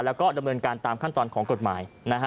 แล้วก็ดำเนินการตามขั้นตอนของกฎหมาย